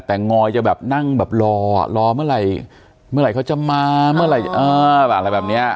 แต่งอยจะแบบนั่งแบบรอรอเมื่อไหร่เมื่อไหร่เขาจะมาเมื่อไหร่อะไรแบบเนี้ย